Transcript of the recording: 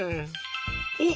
お！